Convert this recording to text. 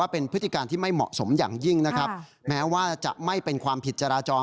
เป็นพฤติการที่ไม่เหมาะสมอย่างยิ่งนะครับแม้ว่าจะไม่เป็นความผิดจราจร